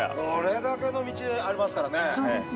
これだけの道でありますから。